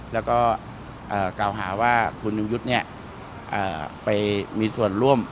แล้วก็กล่าวหาว่าคุณยุงยุทธ์ไปมีส่วนร่วม